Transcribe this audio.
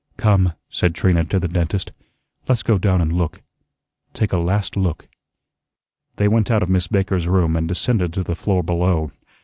"Come," said Trina to the dentist, "let's go down and look take a last look." They went out of Miss Baker's room and descended to the floor below.